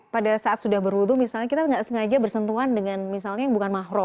pada saat sudah berwudhu misalnya kita tidak sengaja bersentuhan dengan misalnya yang bukan mahrum